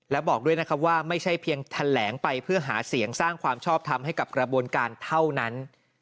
และบอกด้วยนะครับว่าไม่ใช่เพียงแถลงไปเพื่อหาเสียงสร้างความชอบทำให้กับกระบวนการเท่านั้น